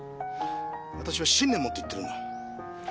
私は信念を持って言ってるんだ。